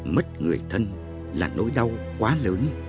mất người thân là nỗi đau quá lớn